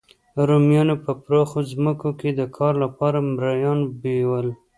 رومیانو په پراخو ځمکو کې د کار لپاره مریان بیول